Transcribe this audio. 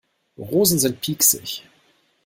Rosen sind pieksig.